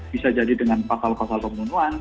bisa jadi dengan pasal pasal pembunuhan